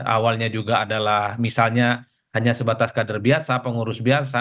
awalnya juga adalah misalnya hanya sebatas kader biasa pengurus biasa